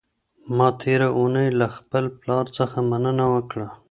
ما تېره اونۍ له خپل پلار څخه مننه وکړه.